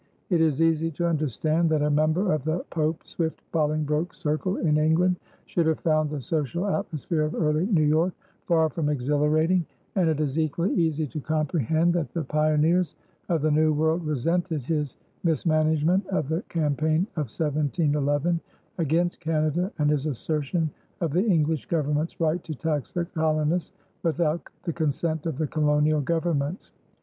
It is easy to understand that a member of the Pope Swift Bolingbroke circle in England should have found the social atmosphere of early New York far from exhilarating; and it is equally easy to comprehend that the pioneers of the New World resented his mismanagement of the campaign of 1711 against Canada and his assertion of the English Government's right to tax the colonists without the consent of the colonial Governments.